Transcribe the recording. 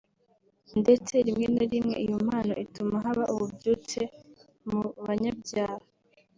ndetse rimwe na rimwe iyo mpano ituma haba ububyutse mu banyabyaha